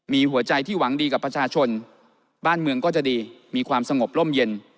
มีหัวใจที่หวังดีกับประชาชนบ้านเมืองก็จะดีมีความสงบร่มเย็น